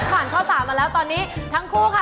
ผ่านข้อ๓มาแล้วตอนนี้ทั้งคู่ค่ะ